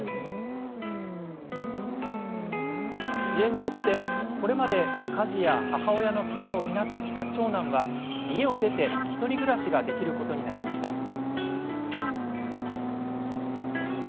支援によって、これまで家事や母親のケアを担ってきた長男は家を出て、１人暮らしができることになりました。